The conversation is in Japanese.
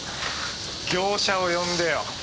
業者を呼んでよ。